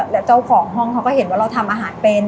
แล้วเจ้าของห้องเขาก็เห็นว่าเราทำอาหารเป็น